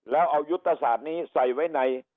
แล้วเอายุตสาธารณ์นี้ใส่ไว้ใน